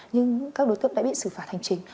nhưng các đối tượng đã bị xử phạt hành chính